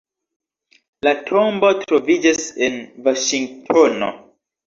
La tombo troviĝas en Vaŝingtono.